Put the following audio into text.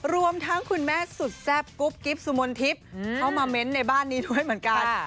รวมทั้งคุณแม่สุดแซ่บกุ๊บกิ๊บสุมนทิพย์เข้ามาเม้นต์ในบ้านนี้ด้วยเหมือนกัน